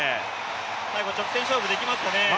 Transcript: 最後直線勝負できますよね。